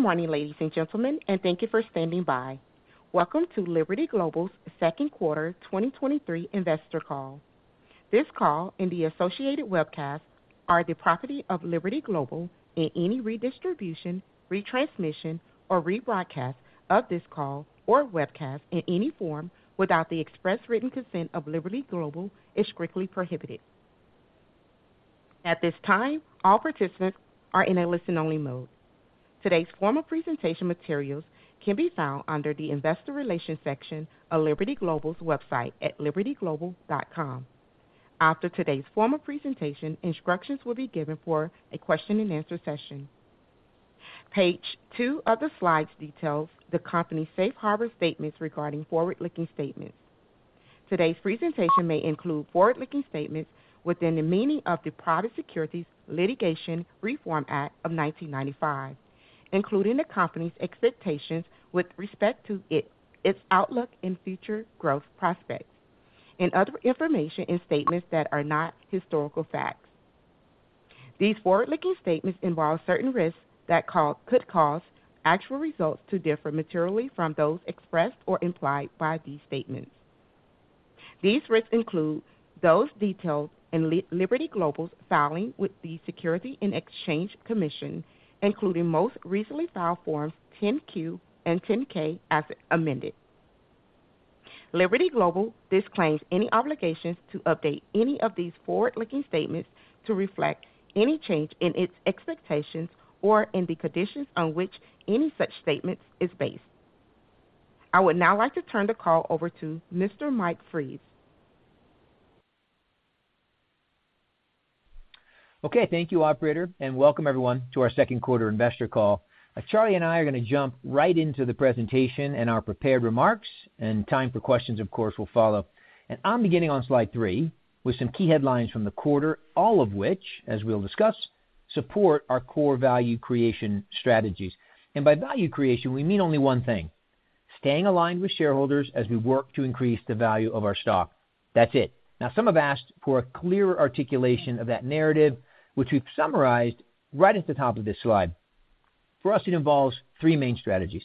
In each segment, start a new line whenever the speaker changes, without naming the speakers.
Good morning, ladies and gentlemen, and thank you for standing by. Welcome to Liberty Global's second quarter 2023 investor call. This call and the associated webcast are the property of Liberty Global, and any redistribution, retransmission, or rebroadcast of this call or webcast in any form without the express written consent of Liberty Global is strictly prohibited. At this time, all participants are in a listen-only mode. Today's formal presentation materials can be found under the Investor Relations section of Liberty Global's website at libertyglobal.com. After today's formal presentation, instructions will be given for a question-and-answer session. Page two of the slides details the company's safe harbor statements regarding forward-looking statements Today's presentation may include forward-looking statements within the meaning of the Private Securities Litigation Reform Act of 1995, including the company's expectations with respect to its outlook and future growth prospects, and other information and statements that are not historical facts. These forward-looking statements involve certain risks that could cause actual results to differ materially from those expressed or implied by these statements. These risks include those detailed in Liberty Global's filing with the Securities and Exchange Commission, including most recently, File Forms 10-Q and 10-K, as amended. Liberty Global disclaims any obligations to update any of these forward-looking statements to reflect any change in its expectations or in the conditions on which any such statements is based. I would now like to turn the call over to Mr. Mike Fries.
Okay, thank you, operator. Welcome everyone to our second quarter investor call. Charlie and I are gonna jump right into the presentation and our prepared remarks, and time for questions, of course, will follow. I'm beginning on slide three with some key headlines from the quarter, all of which, as we'll discuss, support our core value creation strategies. By value creation, we mean only one thing: staying aligned with shareholders as we work to increase the value of our stock. That's it. Some have asked for a clearer articulation of that narrative, which we've summarized right at the top of this slide. For us, it involves three main strategies.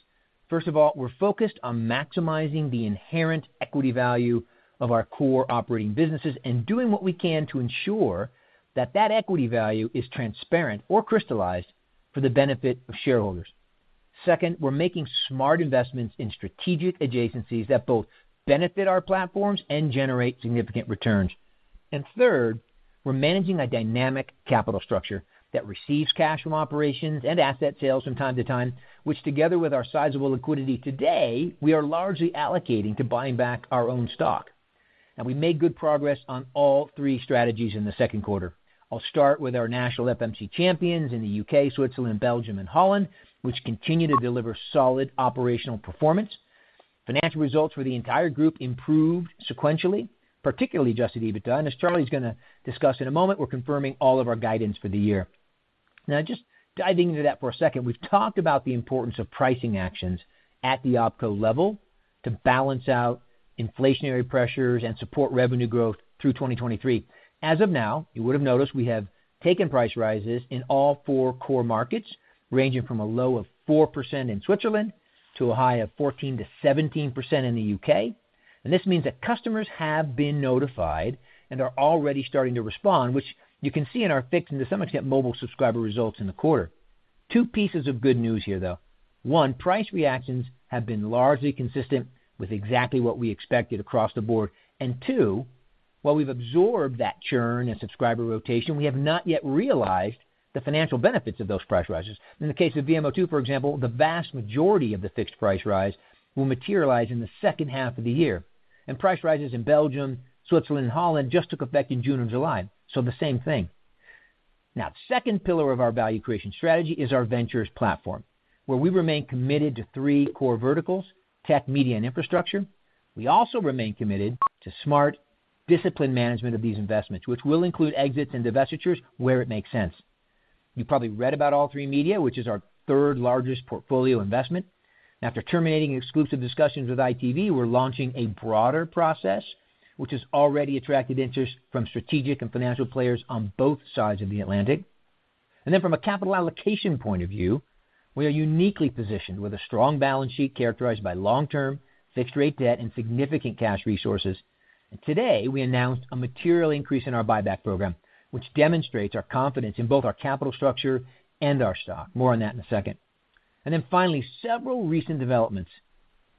First of all, we're focused on maximizing the inherent equity value of our core operating businesses and doing what we can to ensure that that equity value is transparent or crystallized for the benefit of shareholders. Second, we're making smart investments in strategic adjacencies that both benefit our platforms and generate significant returns. Third, we're managing a dynamic capital structure that receives cash from operations and asset sales from time to time, which, together with our sizable liquidity today, we are largely allocating to buying back our own stock. We made good progress on all three strategies in the second quarter. I'll start with our national FMC champions in the U.K., Switzerland, Belgium, and The Netherlands, which continue to deliver solid operational performance. Financial results for the entire group improved sequentially, particularly adjusted EBITDA. As Charlie's gonna discuss in a moment, we're confirming all of our guidance for the year. Just diving into that for a second, we've talked about the importance of pricing actions at the OpCo level to balance out inflationary pressures and support revenue growth through 2023. As of now, you would have noticed we have taken price rises in all four core markets, ranging from a low of 4% in Switzerland to a high of 14%-17% in the U.K. This means that customers have been notified and are already starting to respond, which you can see in our fixed and to some extent, mobile subscriber results in the quarter. Two pieces of good news here, though. One, price reactions have been largely consistent with exactly what we expected across the board. Two, while we've absorbed that churn and subscriber rotation, we have not yet realized the financial benefits of those price rises. In the case of VMO2, for example, the vast majority of the fixed price rise will materialize in the second half of the year, and price rises in Belgium, Switzerland, and The Netherlands just took effect in June and July, so the same thing. Now, second pillar of our value creation strategy is our ventures platform, where we remain committed to three core verticals: tech, media, and infrastructure. We also remain committed to smart, disciplined management of these investments, which will include exits and divestitures where it makes sense. You probably read about All3Media, which is our third largest portfolio investment. After terminating exclusive discussions with ITV, we're launching a broader process, which has already attracted interest from strategic and financial players on both sides of the Atlantic. From a capital allocation point of view, we are uniquely positioned with a strong balance sheet characterized by long-term fixed rate debt and significant cash resources. Today, we announced a material increase in our buyback program, which demonstrates our confidence in both our capital structure and our stock. More on that in a second. Finally, several recent developments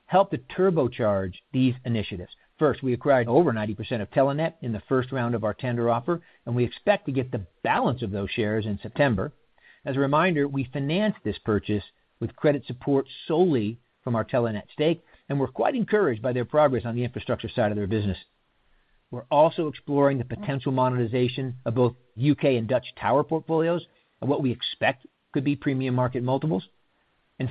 helped to turbocharge these initiatives. First, we acquired over 90% of Telenet in the first round of our tender offer, and we expect to get the balance of those shares in September. As a reminder, we financed this purchase with credit support solely from our Telenet stake, and we're quite encouraged by their progress on the infrastructure side of their business. We're also exploring the potential monetization of both U.K. and Dutch tower portfolios and what we expect could be premium market multiples.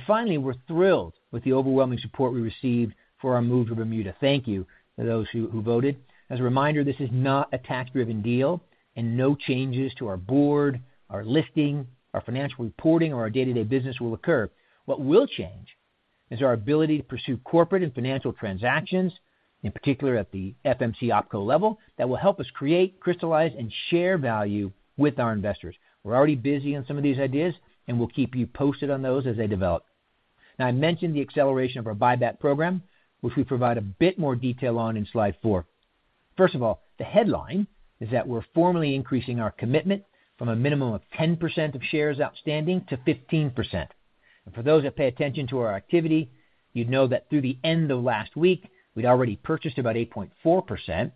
Finally, we're thrilled with the overwhelming support we received for our move to Bermuda. Thank you to those who voted. As a reminder, this is not a tax-driven deal, and no changes to our board, our listing, our financial reporting, or our day-to-day business will occur. What will change? is our ability to pursue corporate and financial transactions, in particular at the FMC OpCo level, that will help us create, crystallize, and share value with our investors. We're already busy on some of these ideas, and we'll keep you posted on those as they develop. I mentioned the acceleration of our buyback program, which we provide a bit more detail on in Slide four. First of all, the headline is that we're formally increasing our commitment from a minimum of 10% of shares outstanding to 15%. For those that pay attention to our activity, you'd know that through the end of last week, we'd already purchased about 8.4%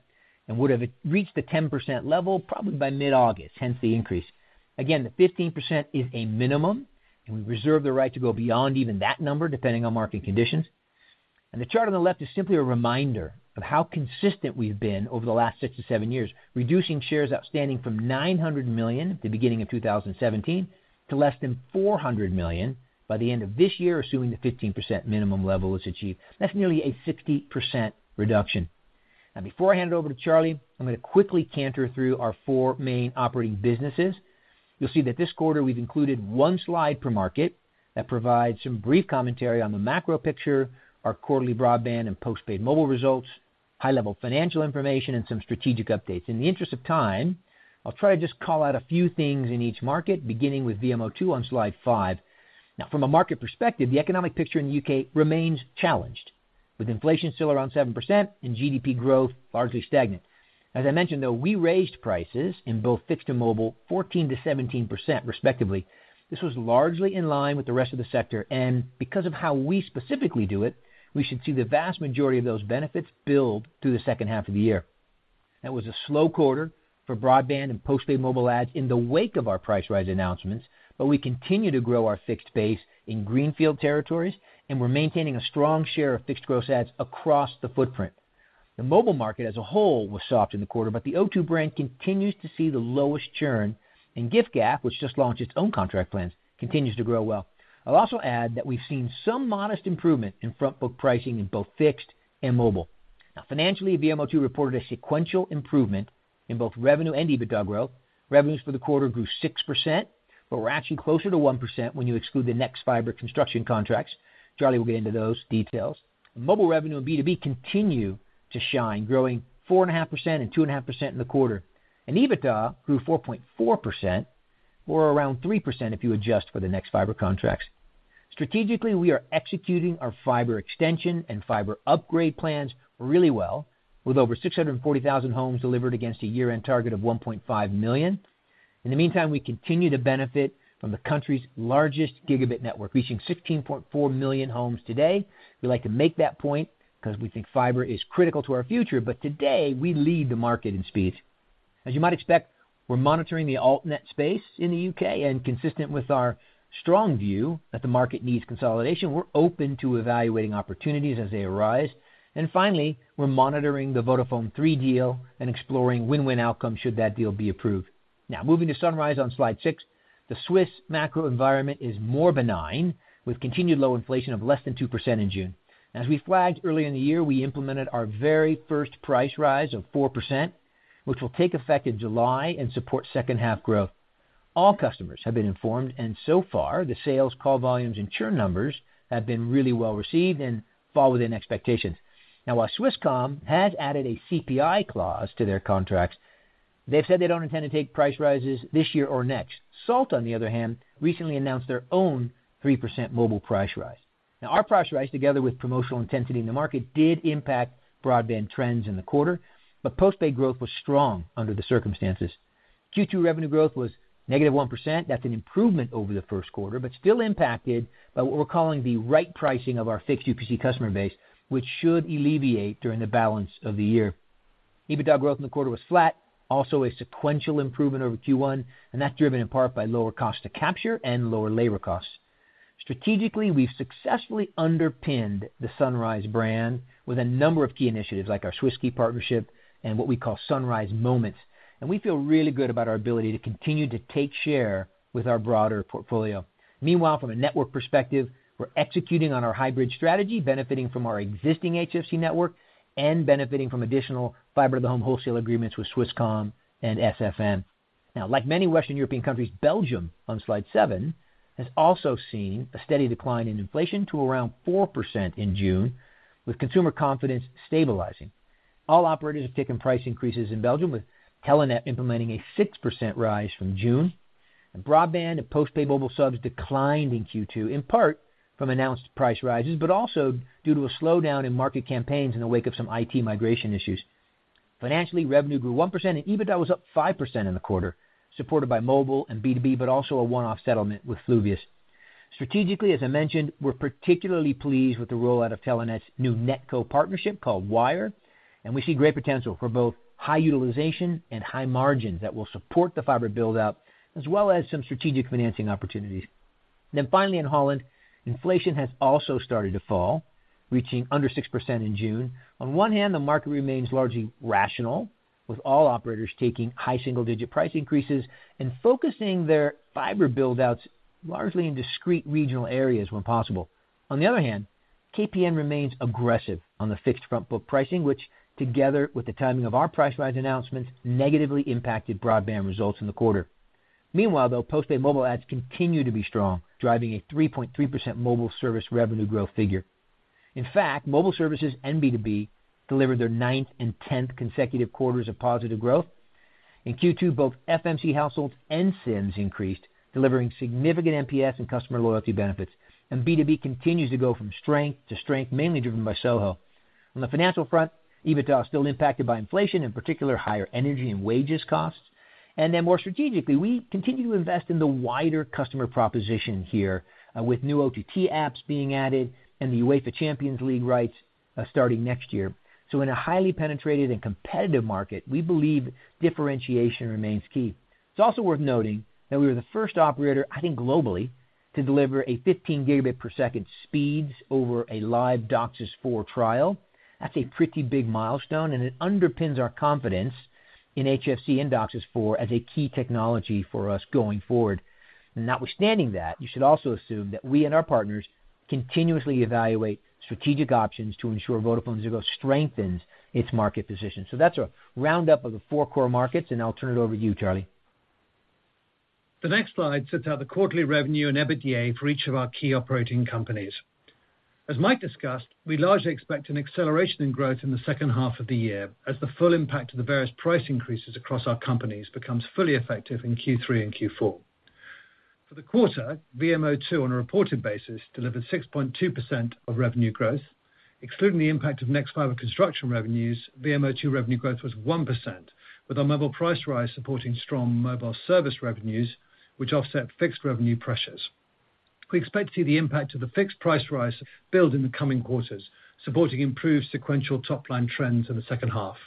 and would have reached the 10% level probably by mid-August, hence the increase. Again, the 15% is a minimum, and we reserve the right to go beyond even that number, depending on market conditions. The chart on the left is simply a reminder of how consistent we've been over the last six to seven years, reducing shares outstanding from $900 million at the beginning of 2017 to less than $400 million by the end of this year, assuming the 15% minimum level is achieved. That's nearly a 60% reduction. Before I hand it over to Charlie, I'm going to quickly canter through our four main operating businesses. You'll see that this quarter we've included one slide per market that provides some brief commentary on the macro picture, our quarterly broadband and postpaid mobile results, high-level financial information, and some strategic updates. In the interest of time, I'll try to just call out a few things in each market, beginning with VMO2 on Slide five. From a market perspective, the economic picture in the U.K. remains challenged, with inflation still around 7% and GDP growth largely stagnant. As I mentioned, though, we raised prices in both fixed and mobile 14%-17%, respectively. This was largely in line with the rest of the sector, and because of how we specifically do it, we should see the vast majority of those benefits build through the second half of the year. That was a slow quarter for broadband and postpaid mobile ads in the wake of our price rise announcements, but we continue to grow our fixed base in greenfield territories, and we're maintaining a strong share of fixed gross ads across the footprint. The mobile market as a whole was soft in the quarter, but the O2 brand continues to see the lowest churn, and giffgaff, which just launched its own contract plans, continues to grow well. I'll also add that we've seen some modest improvement in front book pricing in both fixed and mobile. Now, financially, VMO2 reported a sequential improvement in both revenue and EBITDA growth. Revenues for the quarter grew 6%, but we're actually closer to 1% when you exclude the nexfibre construction contracts. Charlie will get into those details. Mobile revenue and B2B continue to shine, growing 4.5% and 2.5% in the quarter, and EBITDA grew 4.4%, or around 3% if you adjust for the nexfibre contracts. Strategically, we are executing our fiber extension and fiber upgrade plans really well, with over 640,000 homes delivered against a year-end target of 1.5 million. In the meantime, we continue to benefit from the country's largest gigabit network, reaching 16.4 million homes today. We like to make that point because we think fiber is critical to our future, but today we lead the market in speed. As you might expect, we're monitoring the alt net space in the U.K., and consistent with our strong view that the market needs consolidation, we're open to evaluating opportunities as they arise. Finally, we're monitoring the Vodafone-Three deal and exploring win-win outcomes should that deal be approved. Moving to Sunrise on slide six. The Swiss macro environment is more benign, with continued low inflation of less than 2% in June. As we flagged earlier in the year, we implemented our very first price rise of 4%, which will take effect in July and support second half growth. All customers have been informed, so far, the sales call volumes and churn numbers have been really well received and fall within expectations. While Swisscom has added a CPI clause to their contracts, they've said they don't intend to take price rises this year or next. Salt, on the other hand, recently announced their own 3% mobile price rise. Our price rise, together with promotional intensity in the market, did impact broadband trends in the quarter, but postpaid growth was strong under the circumstances. Q2 revenue growth was negative 1%. An improvement over the first quarter, but still impacted by what we're calling the right pricing of our fixed UPC customer base, which should alleviate during the balance of the year. EBITDA growth in the quarter was flat, also a sequential improvement over Q1. That's driven in part by lower cost to capture and lower labor costs. Strategically, we've successfully underpinned the Sunrise brand with a number of key initiatives, like our Swiss-Ski partnership and what we call Sunrise Moments. We feel really good about our ability to continue to take share with our broader portfolio. Meanwhile, from a network perspective, we're executing on our hybrid strategy, benefiting from our existing HFC network and benefiting from additional fiber to the home wholesale agreements with Swisscom and SFN. Like many Western European countries, Belgium, on slide seven, has also seen a steady decline in inflation to around 4% in June, with consumer confidence stabilizing. All operators have taken price increases in Belgium, with Telenet implementing a 6% rise from June, and broadband and postpaid mobile subs declined in Q2, in part from announced price rises, but also due to a slowdown in market campaigns in the wake of some IT migration issues. Financially, revenue grew 1%, and EBITDA was up 5% in the quarter, supported by mobile and B2B, but also a one-off settlement with Fluvius. Strategically, as I mentioned, we're particularly pleased with the rollout of Telenet's new NetCo partnership called Wyre, and we see great potential for both high utilization and high margins that will support the fiber build-out, as well as some strategic financing opportunities. Finally, in The Netherlands, inflation has also started to fall, reaching under 6% in June. On one hand, the market remains largely rational, with all operators taking high single-digit price increases and focusing their fiber build-outs largely in discrete regional areas when possible. On the other hand, KPN remains aggressive on the fixed front book pricing, which, together with the timing of our price rise announcements, negatively impacted broadband results in the quarter. Meanwhile, though, post-paid mobile ads continue to be strong, driving a 3.3% mobile service revenue growth figure. In fact, mobile services and B2B delivered their ninth and 10th consecutive quarters of positive growth. In Q2, both FMC households and SIMs increased, delivering significant NPS and customer loyalty benefits, and B2B continues to go from strength to strength, mainly driven by SOHO. On the financial front, EBITDA is still impacted by inflation, in particular, higher energy and wages costs. More strategically, we continue to invest in the wider customer proposition here, with new OTT apps being added and the UEFA Champions League rights starting next year. In a highly penetrated and competitive market, we believe differentiation remains key. It's also worth noting that we were the first operator, I think, globally, to deliver a 15 Gbps speeds over a live DOCSIS 4 trial. That's a pretty big milestone, and it underpins our confidence in HFC and DOCSIS 4 as a key technology for us going forward. Notwithstanding that, you should also assume that we and our partners continuously evaluate strategic options to ensure VodafoneZiggo strengthens its market position. That's a roundup of the four core markets, and I'll turn it over to you, Charlie.
The next slide sets out the quarterly revenue and EBITDA for each of our key operating companies. As Mike discussed, we largely expect an acceleration in growth in the second half of the year, as the full impact of the various price increases across our companies becomes fully effective in Q3 and Q4. For the quarter, VMO2, on a reported basis, delivered 6.2% of revenue growth. Excluding the impact of nexfibre construction revenues, VMO2 revenue growth was 1%, with our mobile price rise supporting strong mobile service revenues, which offset fixed revenue pressures. We expect to see the impact of the fixed price rise build in the coming quarters, supporting improved sequential top-line trends in the second half.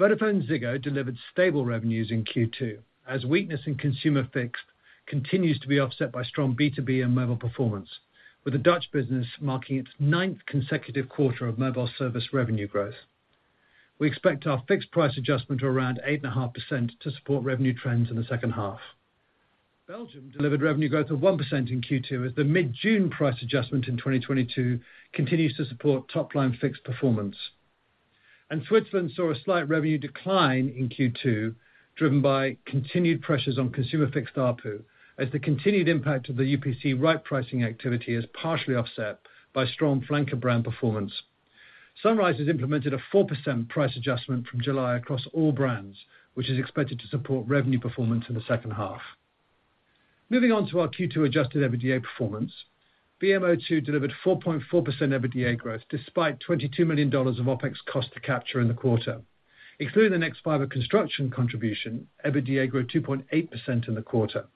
VodafoneZiggo delivered stable revenues in Q2, as weakness in consumer fixed continues to be offset by strong B2B and mobile performance, with the Dutch business marking its ninth consecutive quarter of mobile service revenue growth. We expect our fixed price adjustment to around 8.5% to support revenue trends in the second half. Belgium delivered revenue growth of 1% in Q2, as the mid-June price adjustment in 2022 continues to support top-line fixed performance. Switzerland saw a slight revenue decline in Q2, driven by continued pressures on consumer fixed ARPU, as the continued impact of the UPC right pricing activity is partially offset by strong flanker brand performance. Sunrise has implemented a 4% price adjustment from July across all brands, which is expected to support revenue performance in the second half. Moving on to our Q2 Adjusted EBITDA performance, VMO2 delivered 4.4% EBITDA growth, despite $22 million of OpEx cost to capture in the quarter. Excluding the nexfibre construction contribution, EBITDA grew 2.8% in the quarter.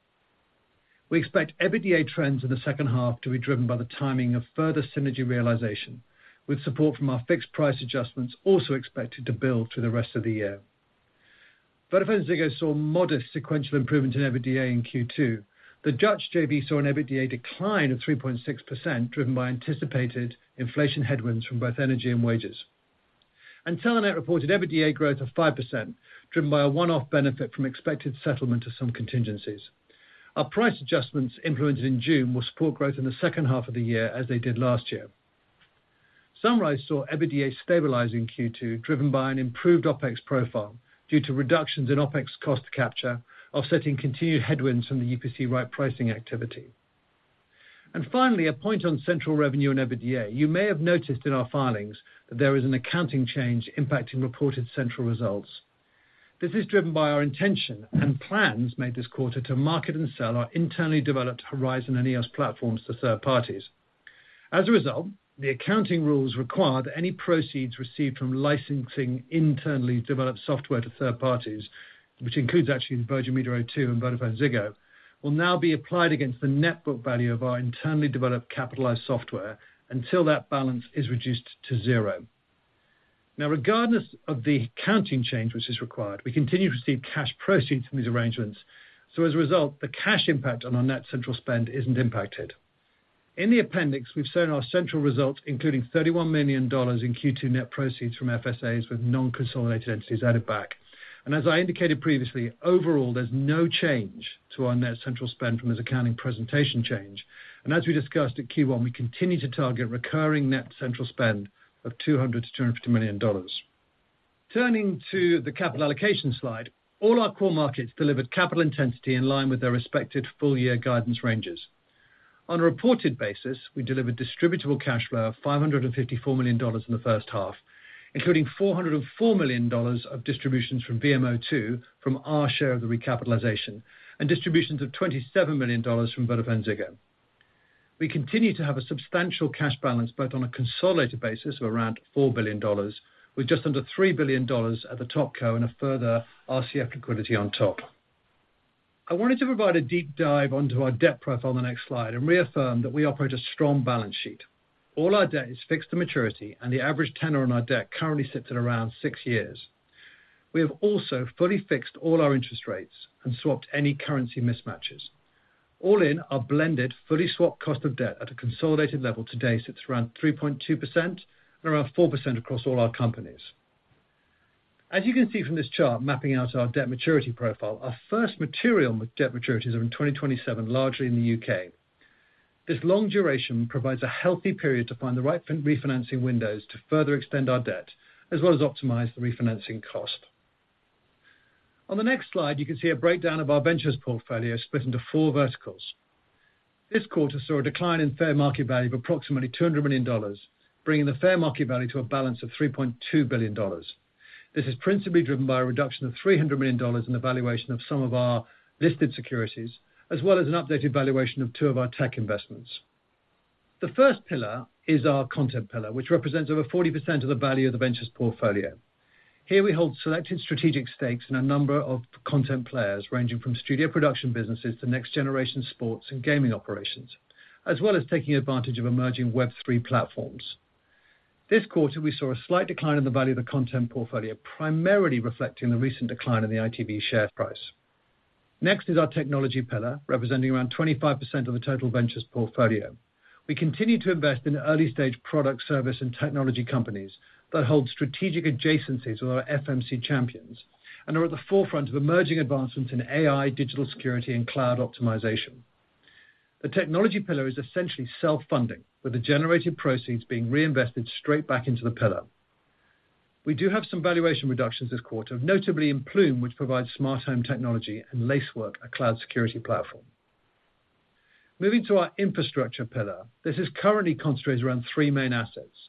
We expect EBITDA trends in the second half to be driven by the timing of further synergy realization, with support from our fixed price adjustments also expected to build through the rest of the year. VodafoneZiggo saw modest sequential improvement in EBITDA in Q2. The Dutch JV saw an EBITDA decline of 3.6%, driven by anticipated inflation headwinds from both energy and wages. Telenet reported EBITDA growth of 5%, driven by a one-off benefit from expected settlement of some contingencies. Our price adjustments implemented in June will support growth in the second half of the year, as they did last year. Sunrise saw EBITDA stabilizing in Q2, driven by an improved OpEx profile due to reductions in OpEx cost capture, offsetting continued headwinds from the UPC right pricing activity. Finally, a point on central revenue and EBITDA. You may have noticed in our filings that there is an accounting change impacting reported central results. This is driven by our intention and plans made this quarter to market and sell our internally developed Horizon and EOS platforms to third parties. As a result, the accounting rules require that any proceeds received from licensing internally developed software to third parties, which includes actually Belgium, Virgin Media O2 and VodafoneZiggo, will now be applied against the net book value of our internally developed capitalized software until that balance is reduced to 0. Regardless of the accounting change which is required, we continue to receive cash proceeds from these arrangements. As a result, the cash impact on our net central spend isn't impacted. In the appendix, we've shown our central results, including $31 million in Q2 net proceeds from FSAs, with non-consolidated entities added back. As I indicated previously, overall, there's no change to our net central spend from this accounting presentation change. As we discussed in Q1, we continue to target recurring net central spend of $200 million-$250 million. Turning to the capital allocation slide, all our core markets delivered capital intensity in line with their respective full-year guidance ranges. On a reported basis, we delivered distributable cash flow of $554 million in the first half, including $404 million of distributions from VMO2, from our share of the recapitalization, and distributions of $27 million from VodafoneZiggo. We continue to have a substantial cash balance, both on a consolidated basis of around $4 billion, with just under $3 billion at the TopCo and a further RCF liquidity on top. I wanted to provide a deep dive onto our debt profile on the next slide and reaffirm that we operate a strong balance sheet. All our debt is fixed to maturity. The average tenor on our debt currently sits at around six years. We have also fully fixed all our interest rates and swapped any currency mismatches. All in, our blended, fully swapped cost of debt at a consolidated level today sits around 3.2% and around 4% across all our companies. As you can see from this chart, mapping out our debt maturity profile, our first material debt maturities are in 2027, largely in the U.K. This long duration provides a healthy period to find the right refinancing windows to further extend our debt, as well as optimize the refinancing cost. On the next slide, you can see a breakdown of our ventures portfolio split into four verticals. This quarter saw a decline in fair market value of approximately $200 million, bringing the fair market value to a balance of $3.2 billion. This is principally driven by a reduction of $300 million in the valuation of some of our listed securities, as well as an updated valuation of two of our tech investments. The first pillar is our content pillar, which represents over 40% of the value of the ventures portfolio. Here we hold selected strategic stakes in a number of content players, ranging from studio production businesses to next generation sports and gaming operations, as well as taking advantage of emerging Web3 platforms. This quarter, we saw a slight decline in the value of the content portfolio, primarily reflecting the recent decline in the ITV share price. Next is our technology pillar, representing around 25% of the total ventures portfolio. We continue to invest in early-stage product, service, and technology companies that hold strategic adjacencies with our FMC champions and are at the forefront of emerging advancements in AI, digital security, and cloud optimization. The technology pillar is essentially self-funding, with the generated proceeds being reinvested straight back into the pillar. We do have some valuation reductions this quarter, notably in Plume, which provides smart home technology, and Lacework, a cloud security platform. Moving to our infrastructure pillar, this is currently concentrated around three main assets: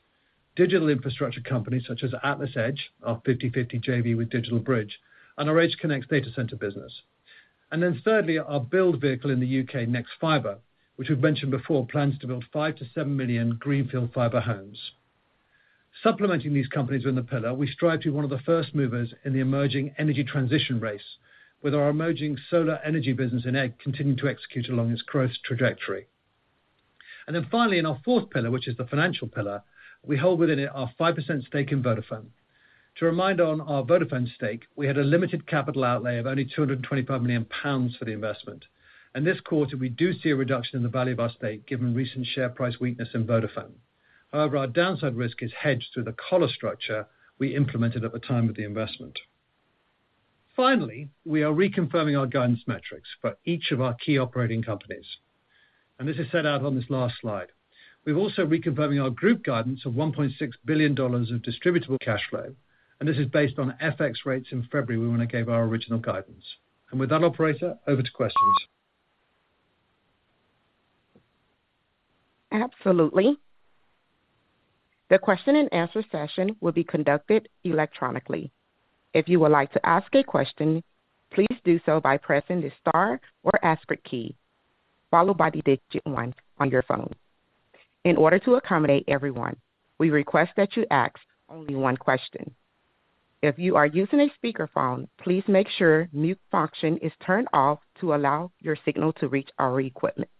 digital infrastructure companies such as AtlasEdge, our 50/50 JV with DigitalBridge, and our EdgeConneX data center business. Thirdly, our build vehicle in the U.K., nexfibre, which we've mentioned before, plans to build 5-7 million greenfield fiber homes. Supplementing these companies in the pillar, we strive to be one of the first movers in the emerging energy transition race, with our emerging solar energy business in egg continuing to execute along its growth trajectory. Finally, in our fourth pillar, which is the financial pillar, we hold within it our 5% stake in Vodafone. To remind on our Vodafone stake, we had a limited capital outlay of only 225 million pounds for the investment. This quarter, we do see a reduction in the value of our stake, given recent share price weakness in Vodafone. However, our downside risk is hedged through the collar structure we implemented at the time of the investment. Finally, we are reconfirming our guidance metrics for each of our key operating companies. This is set out on this last slide. We're also reconfirming our group guidance of $1.6 billion of distributable cash flow. This is based on FX rates in February, when I gave our original guidance. With that, operator, over to questions.
Absolutely. The question-and-answer session will be conducted electronically. If you would like to ask a question, please do so by pressing the star or asterisk key, followed by the digit one on your phone. In order to accommodate everyone, we request that you ask only one question. If you are using a speakerphone, please make sure mute function is turned off to allow your signal to reach our equipment.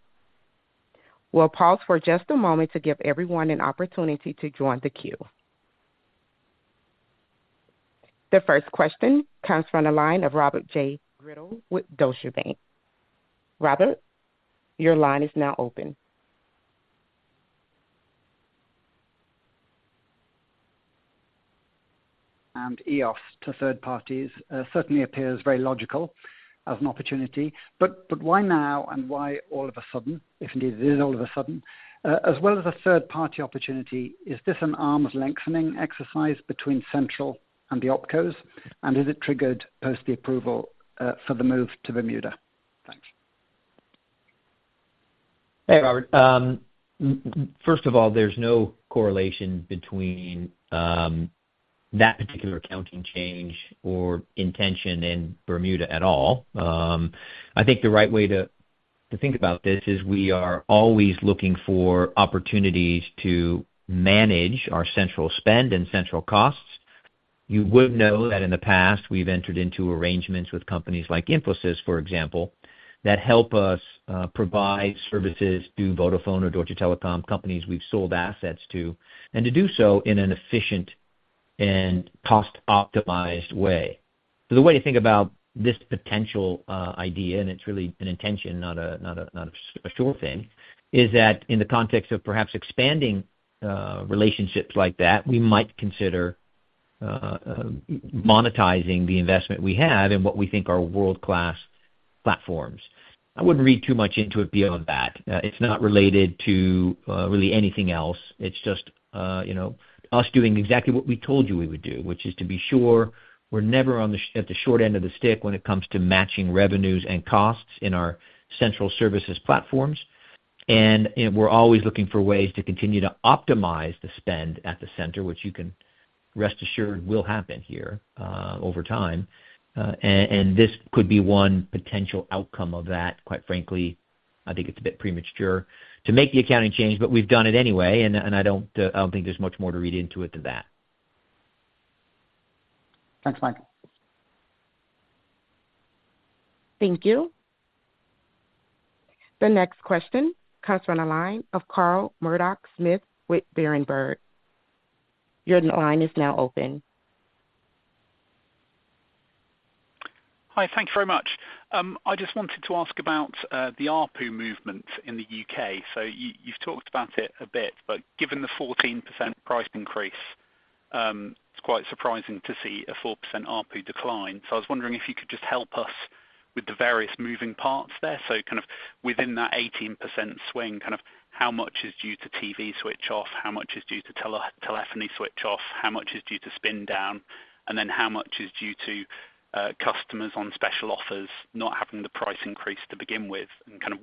We'll pause for just a moment to give everyone an opportunity to join the queue. The first question comes from the line of Robert J. Grindle with Deutsche Bank. Robert, your line is now open.
EOS to third parties, certainly appears very logical as an opportunity. Why now and why all of a sudden, if indeed it is all of a sudden? As well as a third-party opportunity, is this an arm's lengthening exercise between central and the OpCos? Is it triggered post the approval for the move to Bermuda? Thanks.
Hey, Robert. First of all, there's no correlation between that particular accounting change or intention in Bermuda at all. I think the right way to think about this is we are always looking for opportunities to manage our central spend and central costs. You would know that in the past, we've entered into arrangements with companies like Infosys, for example, that help us provide services to Vodafone or Deutsche Telekom, companies we've sold assets to, and to do so in an efficient and cost-optimized way. The way to think about this potential idea, and it's really an intention, not a sure thing, is that in the context of perhaps expanding relationships like that, we might consider monetizing the investment we have in what we think are world-class platforms. I wouldn't read too much into it beyond that. It's not related to really anything else. It's just, you know, us doing exactly what we told you we would do, which is to be sure we're never on the, at the short end of the stick when it comes to matching revenues and costs in our central services platforms. We're always looking for ways to continue to optimize the spend at the center, which you can rest assured will happen here over time. This could be one potential outcome of that. Quite frankly, I think it's a bit premature to make the accounting change, but we've done it anyway, and I don't think there's much more to read into it than that.
Thanks, Mike.
Thank you. The next question comes from the line of Carl Murdock-Smith with Berenberg. Your line is now open.
Hi, thank you very much. I just wanted to ask about the ARPU movement in the U.K. You, you've talked about it a bit, but given the 14% price increase, it's quite surprising to see a 4% ARPU decline. I was wondering if you could just help us with the various moving parts there. Kind of within that 18% swing, kind of how much is due to TV switch off, how much is due to telephony switch off, how much is due to spin down, and then how much is due to customers on special offers not having the price increase to begin with? Kind of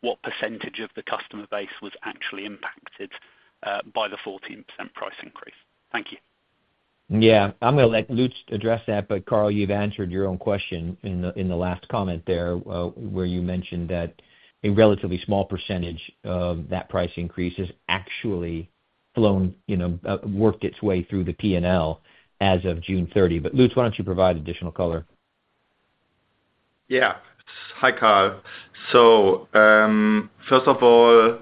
what percentage of the customer base was actually impacted by the 14% price increase? Thank you.
Yeah. I'm gonna let Lutz address that, but, Carl, you've answered your own question in the, in the last comment there, where you mentioned that a relatively small percentage of that price increase has actually flown, you know, worked its way through the P&L as of June 30. Lutz, why don't you provide additional color?
Yeah. Hi, Carl. First of all,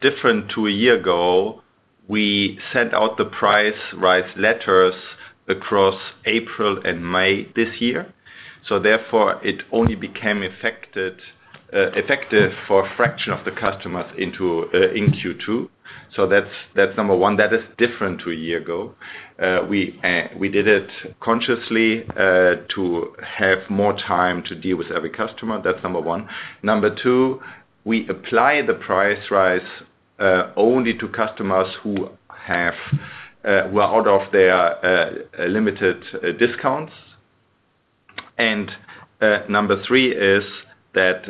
different to a year ago, we sent out the price rise letters across April and May this year, therefore it only became affected, effective for a fraction of the customers into in Q2. That's number one. That is different to a year ago. We did it consciously to have more time to deal with every customer. That's number one. Number two, we applied the price rise only to customers who have who are out of their limited discounts. Number three is that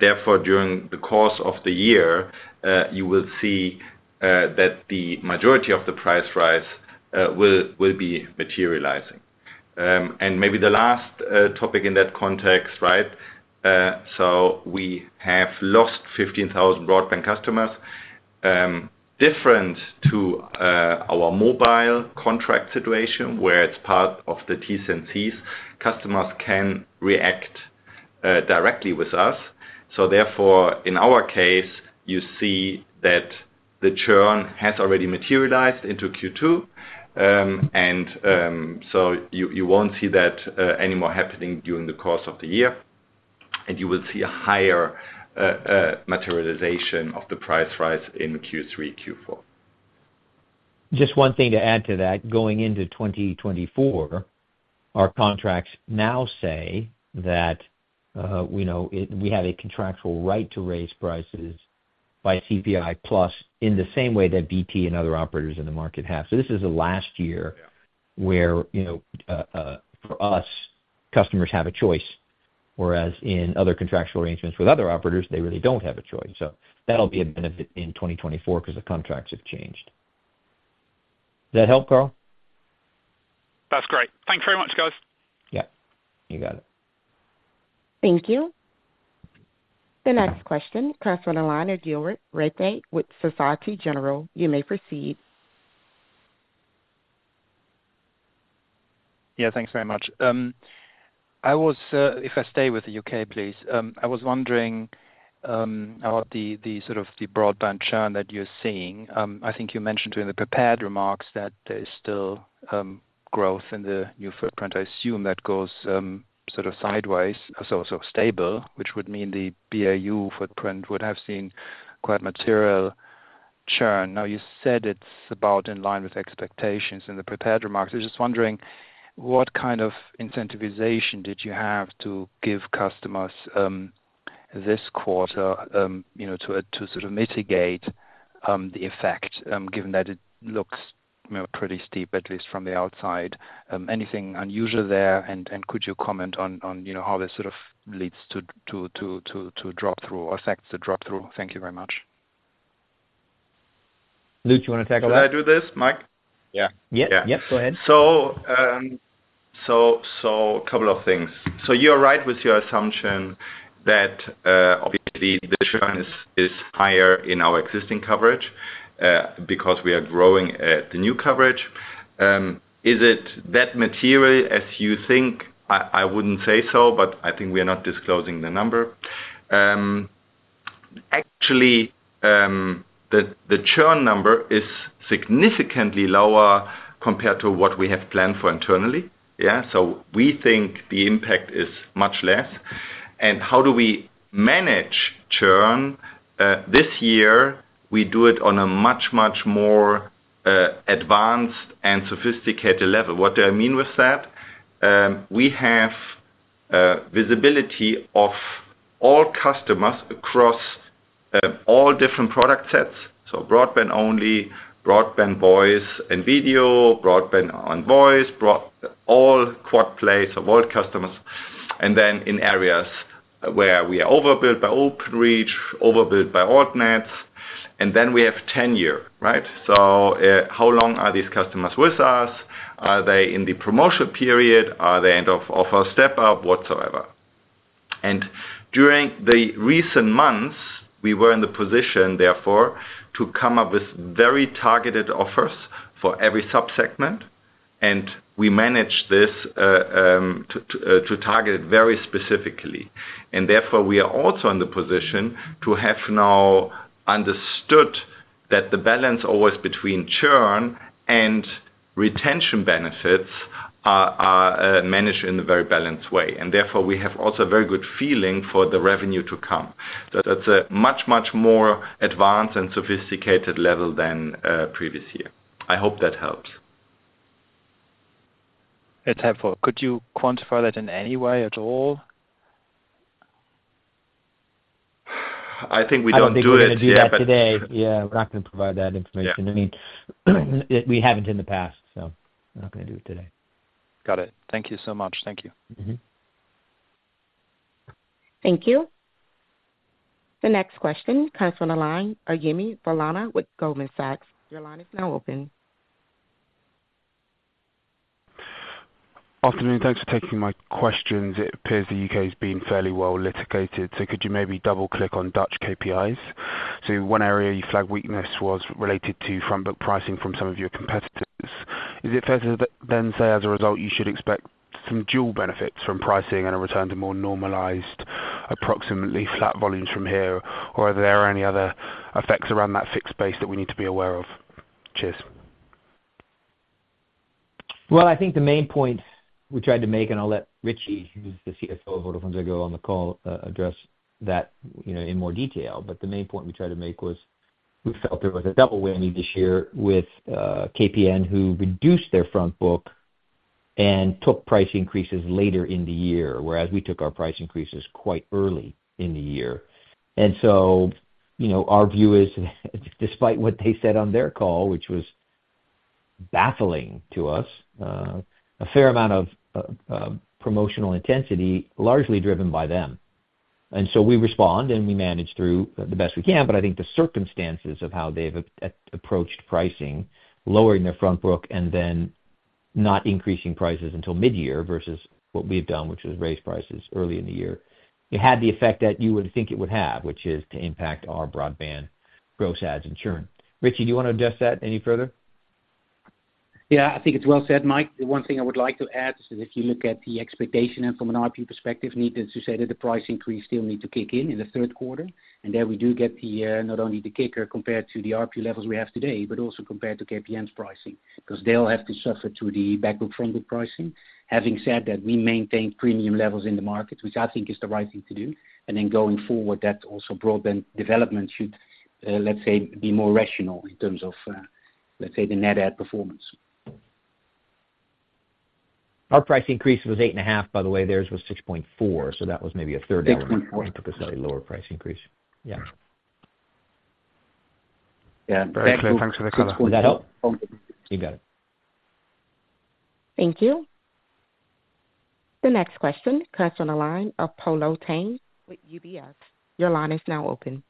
therefore, during the course of the year, you will see that the majority of the price rise will be materializing. Maybe the last topic in that context, right, so we have lost 15,000 broadband customers. Different to our mobile contract situation, where it's part of the T&Cs, customers can react directly with us. Therefore, in our case, you see that the churn has already materialized into Q2. You won't see that anymore happening during the course of the year, and you will see a higher materialization of the price rise in Q3, Q4.
Just one thing to add to that. Going into 2024, our contracts now say that we have a contractual right to raise prices by CPI plus, in the same way that BT and other operators in the market have. This is the last year-
Yeah...
where, you know, for us, customers have a choice, whereas in other contractual arrangements with other operators, they really don't have a choice. That'll be a benefit in 2024 because the contracts have changed. Does that help, Carl?
That's great. Thank you very much, guys.
Yeah, you got it.
Thank you. The next question comes from the line of Ulrich Rathe with Société Générale. You may proceed.
Yeah, thanks very much. I was if I stay with the U.K., please. I was wondering about the sort of the broadband churn that you're seeing. I think you mentioned during the prepared remarks that there is still growth in the new footprint. I assume that goes sort of sideways, so stable, which would mean the BAU footprint would have seen quite material churn. You said it's about in line with expectations in the prepared remarks. I was just wondering, what kind of incentivization did you have to give customers this quarter, you know, to sort of mitigate the effect, given that it looks, you know, pretty steep, at least from the outside. Anything unusual there? could you comment on, you know, how this sort of leads to drop through or affects the drop through? Thank you very much.
Lutz, you want to take over?
Can I do this, Mike?
Yeah.
Yeah.
Yeah, go ahead.
Couple of things. You're right with your assumption that, obviously, the churn is higher in our existing coverage, because we are growing the new coverage. Is it that material as you think? I wouldn't say so, but I think we are not disclosing the number. Actually, the churn number is significantly lower compared to what we had planned for internally. Yeah, we think the impact is much less. How do we manage churn? This year, we do it on a much more advanced and sophisticated level. What do I mean with that? We have visibility of all customers across all different product sets, so broadband only, broadband, voice and video, broadband on voice, all quad plays, so all customers. In areas where we are overbuilt by Openreach, overbuilt by altnet, we have tenure, right? How long are these customers with us? Are they in the promotional period? Are they end of offer step-up, whatsoever? During the recent months, we were in the position, therefore, to come up with very targeted offers for every sub-segment, and we managed this to target it very specifically. Therefore, we are also in the position to have now understood that the balance always between churn and retention benefits are managed in a very balanced way, and therefore, we have also a very good feeling for the revenue to come. That's a much, much more advanced and sophisticated level than previous year. I hope that helps.
It's helpful. Could you quantify that in any way at all?
I think we don't do it.
I don't think we're gonna do that today. Yeah, we're not gonna provide that information.
Yeah.
I mean, we haven't in the past, so we're not gonna do it today.
Got it. Thank you so much. Thank you.
Mm-hmm.
Thank you. The next question comes from the line, Yemi Falana with Goldman Sachs. Your line is now open.
Afternoon, thanks for taking my questions. It appears the U.K. has been fairly well litigated, could you maybe double-click on Dutch KPIs? One area you flagged weakness was related to front book pricing from some of your competitors. Is it fair to then say, as a result, you should expect some dual benefits from pricing and a return to more normalized, approximately flat volumes from here? Are there any other effects around that fixed base that we need to be aware of? Cheers.
I think the main point we tried to make, and I'll let Ritchy, who's the CFO of Vodafone, go on the call, address that, you know, in more detail. The main point we tried to make was we felt there was a double whammy this year with KPN, who reduced their front book and took price increases later in the year, whereas we took our price increases quite early in the year. You know, our view is, despite what they said on their call, which was baffling to us, a fair amount of promotional intensity, largely driven by them. We respond, and we manage through the best we can. I think the circumstances of how they've approached pricing, lowering their front book, and then not increasing prices until midyear versus what we've done, which is raise prices early in the year, it had the effect that you would think it would have, which is to impact our broadband gross adds and churn. Ritchy, do you want to address that any further?
Yeah, I think it's well said, Mike. The one thing I would like to add is if you look at the expectation and from an ARPU perspective, needless to say, that the price increase still need to kick in the third quarter. There we do get the not only the kicker compared to the ARPU levels we have today, but also compared to KPN's pricing. 'Cause they'll have to suffer to the back book/front book pricing. Having said that, we maintain premium levels in the market, which I think is the right thing to do. Going forward, that also broadband development should, let's say, be more rational in terms of, let's say, the net add performance.
Our price increase was 8.5%, by the way, theirs was 6.4%, so that was maybe a third lower.
6.4%.
Typically, a lower price increase. Yeah.
Yeah. Very clear. Thanks for the color.
Does that help?
Okay.
You got it.
Thank you. The next question comes on the line of Polo Tang with UBS. Your line is now open.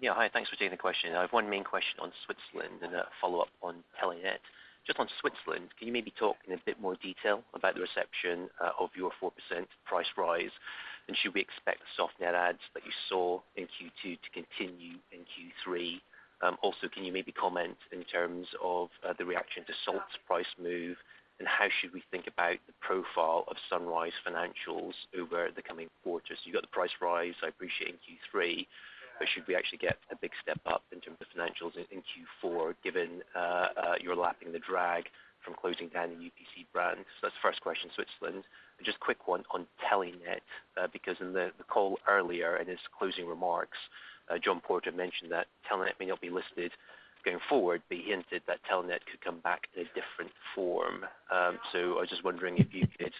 Yeah. Hi, thanks for taking the question. I have one main question on Switzerland and a follow-up on Telenet. Just on Switzerland, can you maybe talk in a bit more detail about the reception of your 4% price rise? Should we expect the soft net adds that you saw in Q2 to continue in Q3? Can you maybe comment in terms of the reaction to Salt's price move, and how should we think about the profile of Sunrise financials over the coming quarters? You got the price rise, I appreciate, in Q3, but should we actually get a big step up in terms of financials in Q4, given your lapping the drag from closing down the UPC brand? That's the first question, Switzerland. Just a quick one on Telenet, because in the call earlier, in his closing remarks, John Porter mentioned that Telenet may not be listed going forward, but he hinted that Telenet could come back in a different form. I was just wondering if you could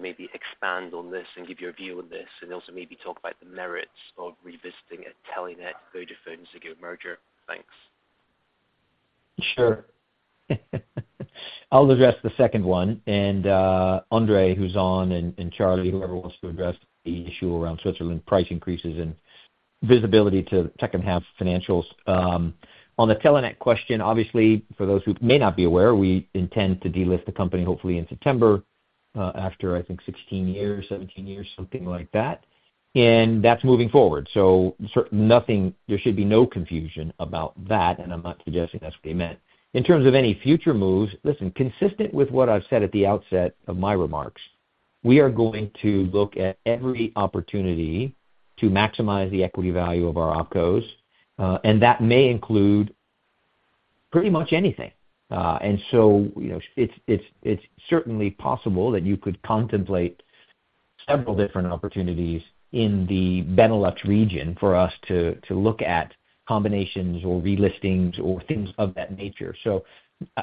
maybe expand on this and give your view on this, and also maybe talk about the merits of revisiting a Telenet/Vodafone merger. Thanks.
Sure. I'll address the second one, and André, who's on, and Charlie, whoever wants to address the issue around Switzerland, price increases and visibility to the second half financials. On the Telenet question, obviously, for those who may not be aware, we intend to delist the company hopefully in September, after, I think 16 years, 17 years, something like that. That's moving forward, so nothing... there should be no confusion about that, and I'm not suggesting that's what he meant. In terms of any future moves, listen, consistent with what I've said at the outset of my remarks, we are going to look at every opportunity to maximize the equity value of our OpCos, and that may include pretty much anything. you know, it's certainly possible that you could contemplate several different opportunities in the Benelux region for us to look at combinations or relistings or things of that nature.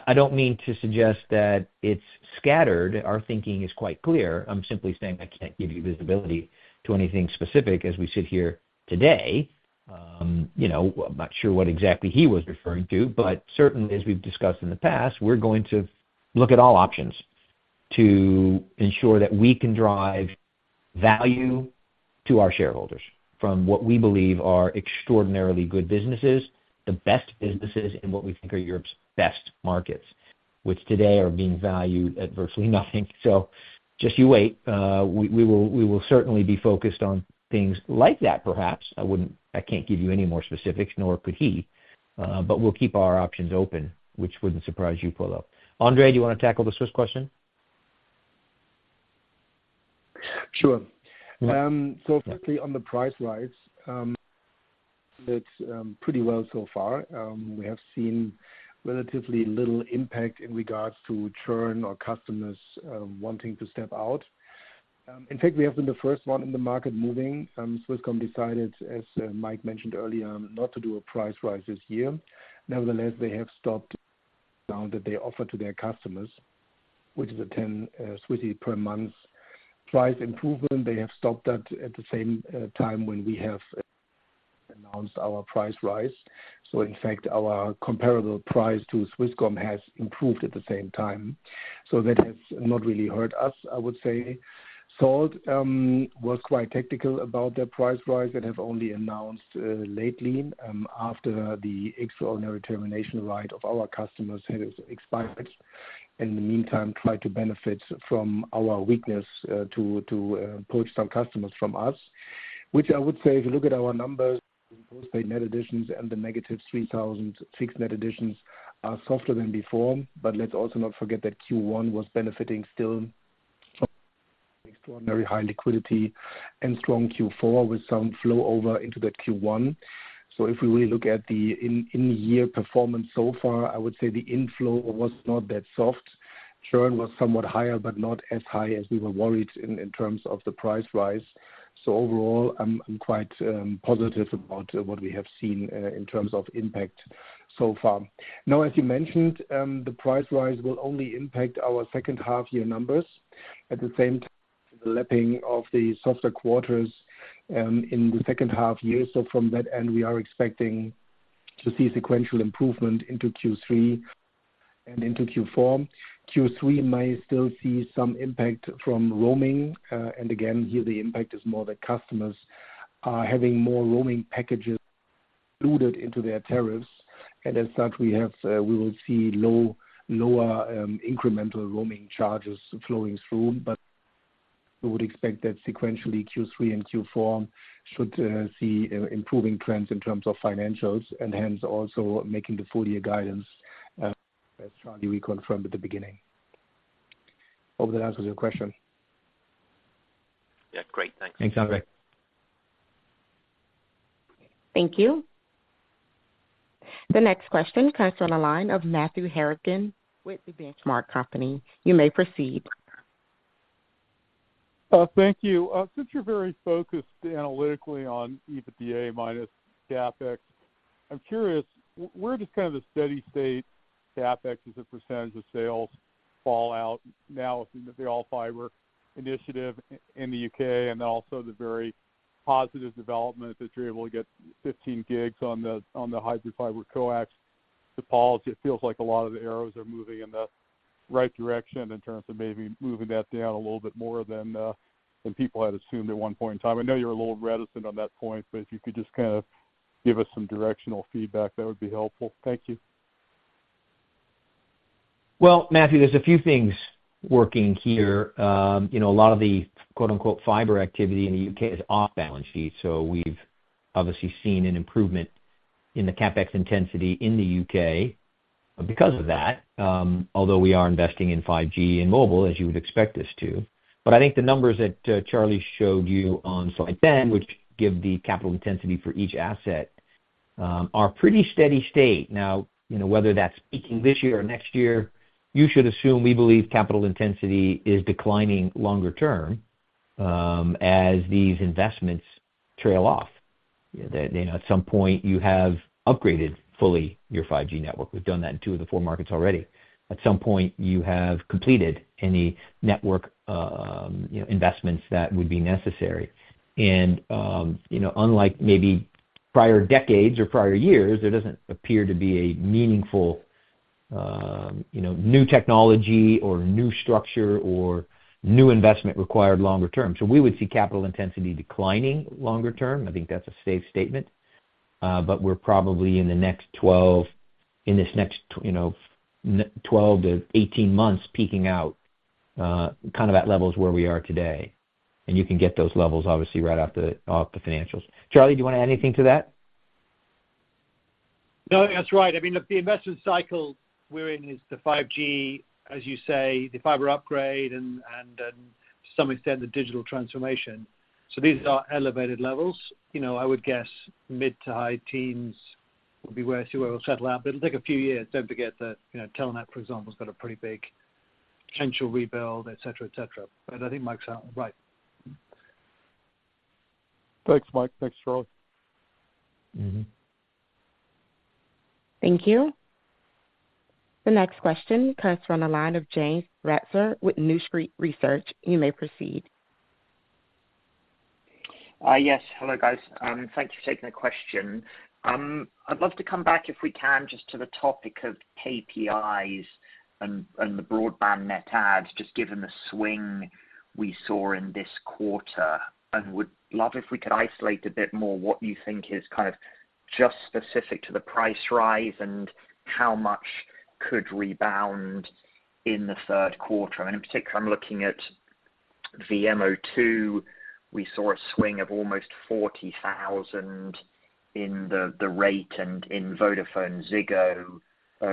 I don't mean to suggest that it's scattered. Our thinking is quite clear. I'm simply saying I can't give you visibility to anything specific as we sit here today. you know, I'm not sure what exactly he was referring to, but certainly, as we've discussed in the past, we're going to look at all options to ensure that we can drive value to our shareholders from what we believe are extraordinarily good businesses, the best businesses in what we think are Europe's best markets, which today are being valued at virtually nothing. Just you wait, we will certainly be focused on things like that, perhaps. I can't give you any more specifics, nor could he. We'll keep our options open, which wouldn't surprise you, Polo. André, do you want to tackle the Swiss question?
Sure. Firstly, on the price rise, it's pretty well so far. We have seen relatively little impact in regards to churn or customers wanting to step out. In fact, we have been the first one in the market moving. Swisscom decided, as Mike mentioned earlier, not to do a price rise this year. Nevertheless, they have stopped now that they offer to their customers, which is a 10 per month price improvement. They have stopped that at the same time when we have announced our price rise. In fact, our comparable price to Swisscom has improved at the same time. That has not really hurt us, I would say. Salt was quite tactical about their price rise and have only announced lately after the extraordinary termination right of our customers has expired. In the meantime, try to benefit from our weakness to poach some customers from us, which I would say, if you look at our numbers, post-paid net additions and the -3,000 fixed net additions are softer than before. Let's also not forget that Q1 was benefiting still from extraordinary high liquidity and strong Q4, with some flow over into the Q1. If we really look at the in-year performance so far, I would say the inflow was not that soft. Churn was somewhat higher, but not as high as we were worried in terms of the price rise. Overall, I'm quite positive about what we have seen in terms of impact so far. Now, as you mentioned, the price rise will only impact our second half-year numbers. At the same time, the lapping of the softer quarters, in the second half year. From that end, we are expecting to see sequential improvement into Q3 and into Q4. Q3 may still see some impact from roaming. Again, here the impact is more that customers are having more roaming packages included into their tariffs. As such, we have, we will see lower incremental roaming charges flowing through. We would expect that sequentially, Q3 and Q4 should see improving trends in terms of financials and hence, also making the full year guidance strongly reconfirmed at the beginning. Hope that answers your question.
Yeah, great. Thanks.
Thanks, André.
Thank you. The next question comes from the line of Matthew Harrigan with The Benchmark Company. You may proceed.
Thank you. Since you're very focused analytically on EBITDA minus CapEx, I'm curious, where does kind of the steady state CapEx as a percent of sales fall out now with the all-fiber initiative in the U.K. and also the very positive development that you're able to get 15 Gbps on the, on the Hybrid Fiber-Coax policy? It feels like a lot of the arrows are moving in the right direction in terms of maybe moving that down a little bit more than people had assumed at one point in time. I know you're a little reticent on that point, but if you could just kind of give us some directional feedback, that would be helpful. Thank you.
Well, Matthew, there's a few things working here. You know, a lot of the quote-unquote, "fiber activity" in the U.K. is off-balance-sheet, so we've obviously seen an improvement in the CapEx intensity in the U.K. because of that. Although we are investing in 5G and mobile, as you would expect us to. I think the numbers that Charlie showed you on slide 10, which give the capital intensity for each asset, are pretty steady state. Now, you know, whether that's peaking this year or next year, you should assume we believe capital intensity is declining longer-term, as these investments trail off. You know, at some point you have upgraded fully your 5G network. We've done that in two of the four markets already. At some point, you have completed any network, you know, investments that would be necessary. You know, unlike maybe prior decades or prior years, there doesn't appear to be a meaningful, you know, new technology or new structure or new investment required longer-term. We would see capital intensity declining longer-term. I think that's a safe statement. We're probably in this next, you know, 12 to 18 months, peaking out, kind of at levels where we are today. You can get those levels, obviously, right off the, off the financials. Charlie, do you want to add anything to that?
No, that's right. I mean, look, the investment cycle we're in is the 5G, as you say, the fiber upgrade and to some extent, the digital transformation. These are elevated levels. You know, I would guess mid to high teens would be where, see where it will settle out, but it'll take a few years. Don't forget that, you know, Telenet, for example, has got a pretty big potential rebuild, et cetera, et cetera. I think Mike's right.
Thanks, Mike. Thanks, Charlie.
Mm-hmm.
Thank you. The next question comes from the line of James Ratzer with New Street Research. You may proceed.
Yes. Hello, guys. Thank you for taking the question. I'd love to come back, if we can, just to the topic of KPIs and the broadband net adds, just given the swing we saw in this quarter, and would love if we could isolate a bit more what you think is kind of just specific to the price rise and how much could rebound in the third quarter. In particular, I'm looking at the MO2-..., we saw a swing of almost 40,000 in the rate, and in VodafoneZiggo,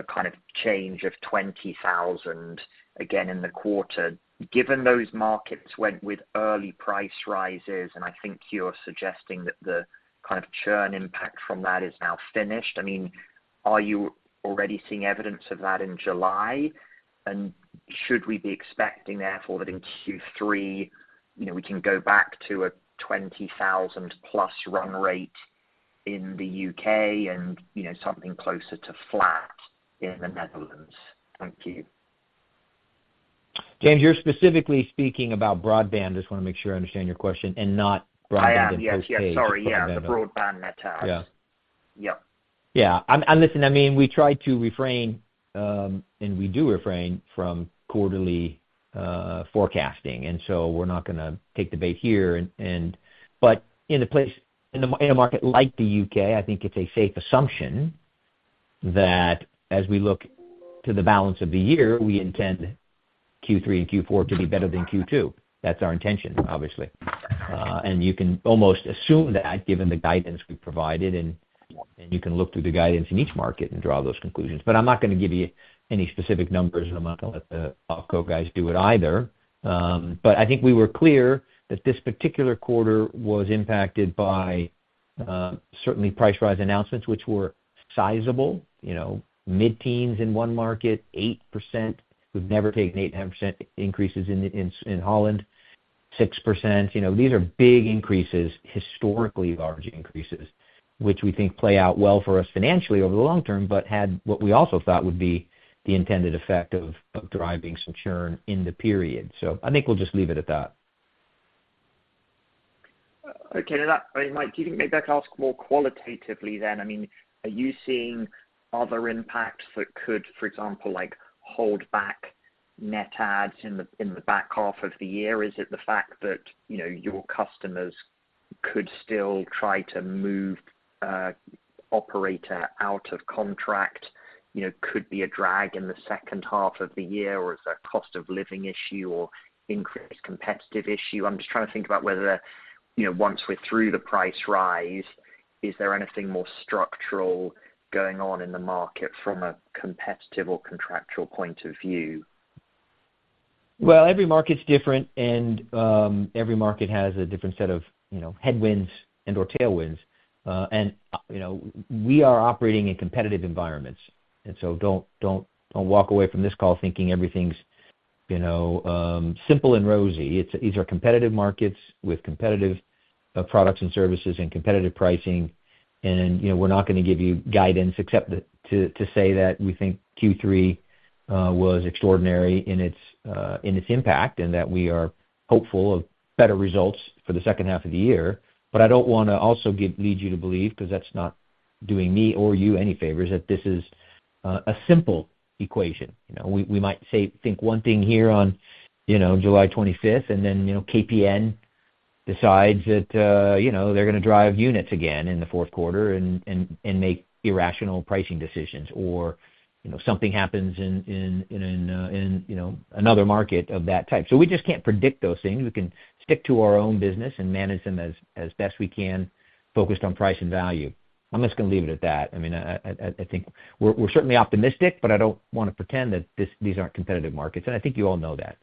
kind of change of 20,000, again in the quarter. Given those markets went with early price rises, and I think you're suggesting that the kind of churn impact from that is now finished. I mean, are you already seeing evidence of that in July? Should we be expecting therefore, that in Q3, you know, we can go back to a 20,000-plus run rate in the U.K. and, you know, something closer to flat in the Netherlands? Thank you.
James, you're specifically speaking about broadband. I just want to make sure I understand your question and not broadband and post-paid.
I am. Yes. Yeah. Sorry, yeah, the broadband net add.
Yeah.
Yep.
Yeah. Listen, I mean, we try to refrain, and we do refrain from quarterly forecasting, we're not gonna take the bait here. In a market like the U.K., I think it's a safe assumption that as we look to the balance of the year, we intend Q3 and Q4 to be better than Q2. That's our intention, obviously. You can almost assume that given the guidance we provided, you can look through the guidance in each market and draw those conclusions. I'm not gonna give you any specific numbers, and I'm not gonna let the OpCo guys do it either. I think we were clear that this particular quarter was impacted by certainly price rise announcements, which were sizable. You know, mid-teens in one market, 8%. We've never taken 8%, 10% increases in The Netherlands, 6%. You know, these are big increases, historically large increases, which we think play out well for us financially over the long term, but had what we also thought would be the intended effect of driving some churn in the period. I think we'll just leave it at that.
Okay. That, I mean, Mike, do you think maybe I can ask more qualitatively then? Are you seeing other impacts that could, for example, like, hold back net adds in the, in the back half of the year? Is it the fact that, you know, your customers could still try to move, operator out of contract, you know, could be a drag in the second half of the year, or is a cost-of-living issue or increased competitive issue? I'm just trying to think about whether, you know, once we're through the price rise, is there anything more structural going on in the market from a competitive or contractual point of view?
Well, every market's different, and every market has a different set of, you know, headwinds and/or tailwinds. You know, we are operating in competitive environments, and so don't walk away from this call thinking everything's, you know, simple and rosy. These are competitive markets with competitive products and services and competitive pricing. You know, we're not gonna give you guidance except to say that we think Q3 was extraordinary in its impact, and that we are hopeful of better results for the second half of the year. I don't wanna also lead you to believe, 'cause that's not doing me or you any favors, that this is a simple equation. You know, we might say, think one thing here on, you know, July 25th, and then, you know, KPN decides that, you know, they're gonna drive units again in the fourth quarter and make irrational pricing decisions, or, you know, something happens in, you know, another market of that type. We just can't predict those things. We can stick to our own business and manage them as best we can, focused on price and value. I'm just gonna leave it at that. I mean, I think we're certainly optimistic, but I don't want to pretend that these aren't competitive markets, and I think you all know that.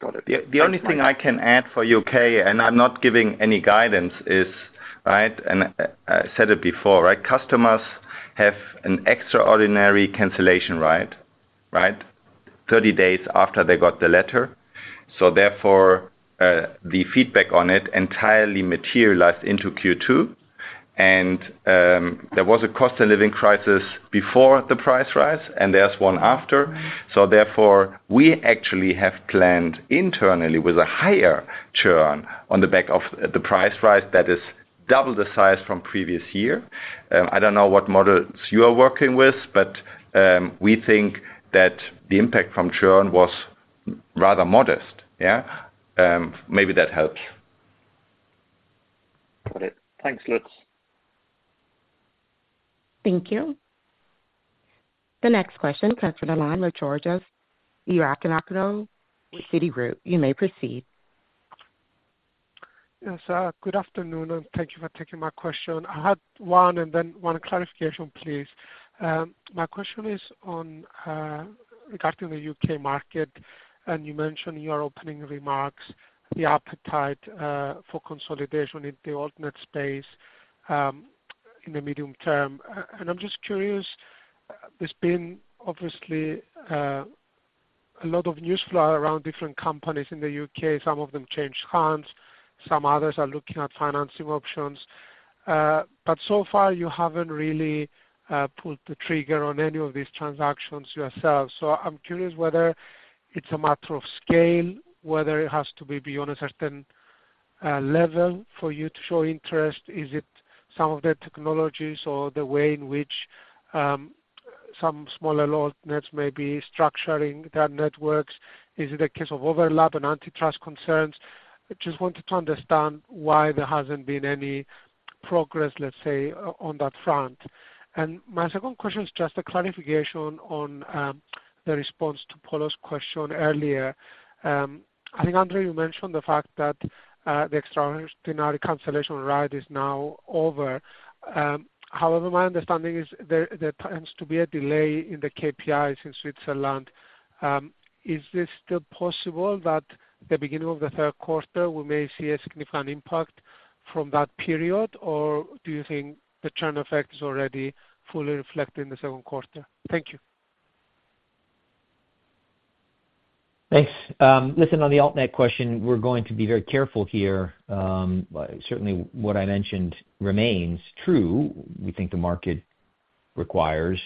Got it.
The only thing I can add for U.K., and I'm not giving any guidance, is, right, and I said it before, right. Customers have an extraordinary cancellation right. 30 days after they got the letter. Therefore, the feedback on it entirely materialized into Q2. There was a cost of living crisis before the price rise, and there's one after. Therefore, we actually have planned internally with a higher churn on the back of the price rise that is double the size from previous year. I don't know what models you are working with, but we think that the impact from churn was rather modest. Yeah. Maybe that helps.
Got it. Thanks, Lutz.
Thank you. The next question comes from the line with Georgios Ierodiaconou, with Citigroup. You may proceed.
Yes. Good afternoon, and thank you for taking my question. I had one and then one clarification, please. My question is on regarding the U.K. market. You mentioned in your opening remarks the appetite for consolidation in the altnet space in the medium term. I'm just curious, there's been obviously a lot of news flow around different companies in the U.K. Some of them changed hands, some others are looking at financing options. So far, you haven't really pulled the trigger on any of these transactions yourselves. I'm curious whether it's a matter of scale, whether it has to be beyond a certain level for you to show interest. Is it some of the technologies or the way in which some smaller altnets may be structuring their networks? Is it a case of overlap and antitrust concerns? I just wanted to understand why there hasn't been any progress, let's say, on that front? My second question is just a clarification on the response to Polo's question earlier. I think, André, you mentioned the fact that the extraordinary cancellation right is now over. However, my understanding is there tends to be a delay in the KPIs in Switzerland. Is this still possible that the beginning of the third quarter, we may see a significant impact from that period, or do you think the churn effect is already fully reflected in the second quarter? Thank you.
Thanks. Listen, on the Altnet question, we're going to be very careful here. Certainly what I mentioned remains true. We think the market requires